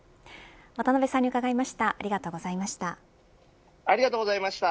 渡辺さんに伺いました。